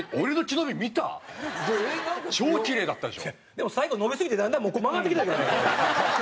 でも最後伸びすぎてだんだん曲がってきたけど。